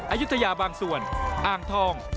อายุทยาบางส่วนอ่างทอง